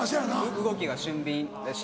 動きが俊敏だし。